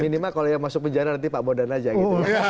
minimal kalau yang masuk penjara nanti pak bodan aja gitu